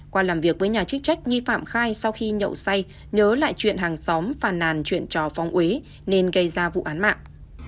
qua làm việc với nhà chức trách nghi phạm khai sau khi nhậu say nhớ lại chuyện hàng xóm phàn nàn chuyện trò phóng úy nên gây ra vụ án mạng